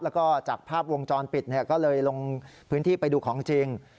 แล้วก็จากภาพวงจรปิดก็เลยลงพื้นที่ไปดูของจริง